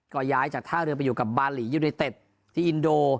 ก็ย้ายจากท่าเรือไปอยู่กับบาหลียูเนเต็ดที่อินโด